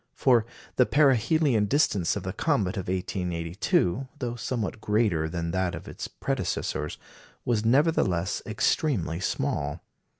For the perihelion distance of the comet of 1882, though somewhat greater than that of its predecessors, was nevertheless extremely small.